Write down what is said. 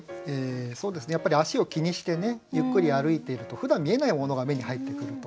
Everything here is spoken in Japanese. やっぱり足を気にしてゆっくり歩いているとふだん見えないものが目に入ってくると。